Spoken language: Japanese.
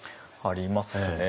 ありますね。